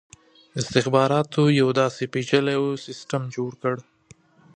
استخباراتو یو داسي پېچلی سسټم جوړ کړ.